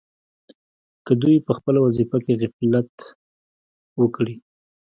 که دوی په خپله وظیفه کې غفلت وکړي.